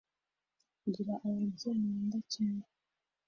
ngira ababyeyi nkunda cyane,